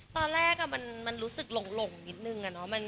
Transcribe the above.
ตอนแรกมันรู้สึกหลงนิดนึงอะเนาะ